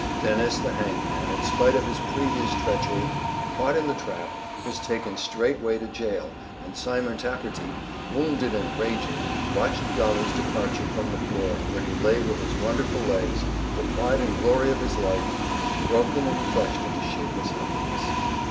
Dennis the hangman, in spite of his previous treachery, caught in the trap, was taken straight way to jail, and Simon Tappertit, wounded and raging, watched Dolly's departure from the floor, where he lay with his wonderful legs, the pride and glory of his life, broken and crushed into shapeless ugliness.